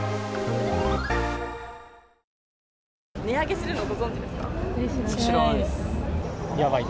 値上げするのご存じですか？